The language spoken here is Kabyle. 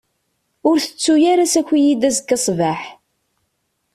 Ur tettu ara ssaki-iyi-d azekka ssbeḥ.